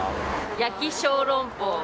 焼き小籠包。